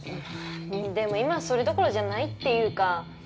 でも今はそれどころじゃないっていうか。